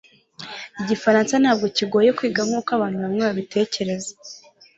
Igifaransa ntabwo bigoye kwiga nkuko abantu bamwe babitekereza